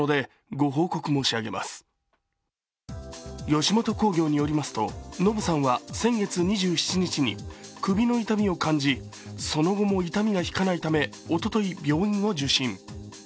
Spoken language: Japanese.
吉本興業によりますと、ノブさんは先月２７日に首の痛みを感じ、その後も痛みが引かないためおととい、病院を受診。